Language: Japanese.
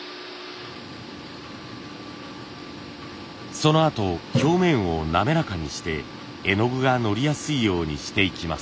そのあと表面を滑らかにして絵の具がのりやすいようにしていきます。